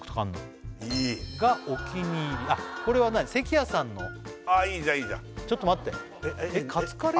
がお気に入りあっこれは何関谷さんの？いいじゃんいいじゃんちょっと待ってカツカレー？